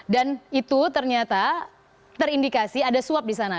dan itu ternyata terindikasi ada suap di sana